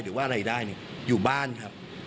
หรือว่าอะไรได้เนี่ยอยู่บ้านครับ